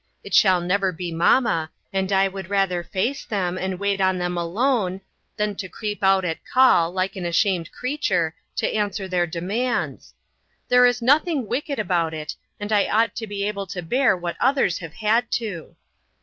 It shall never be mamma, and I would rather face them and wait on them alone, than to creep out at call, like an ashamed creature, to answer their demands. There is nothing wicked about it, and I ought to be able to bear what others have had to."